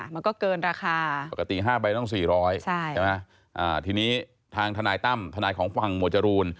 มันก็เกินราคาปกติ๕ใบต้อง๔๐๐ใช่ไหมทีนี้ทางทนายตั้มทนายของฝั่งหมวดจรูน